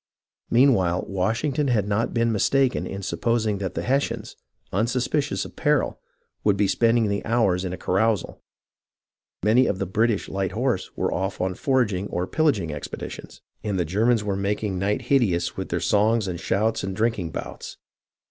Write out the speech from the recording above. I TRENTON AND PRINCETON I4I Meanwhile, Washington had not been mistaken in sup posing that the Hessians, unsuspicious of peril, would be spending the hours in a carousal. Many of the British light horse were off on foraging or pillaging expeditions, and the Germans were making night hideous with their songs and shouts and drinking bouts.